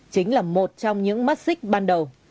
chính là một trong những mắt xích ban đầu